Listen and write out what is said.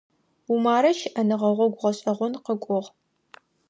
Умарэ щыӀэныгъэ гъогу гъэшӀэгъон къыкӀугъ.